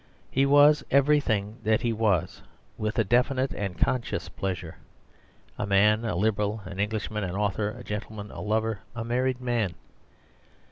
He was everything that he was with a definite and conscious pleasure a man, a Liberal, an Englishman, an author, a gentleman, a lover, a married man.